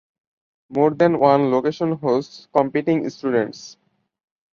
More than one location hosts competing students.